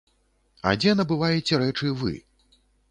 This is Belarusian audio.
А дзе набываеце рэчы вы?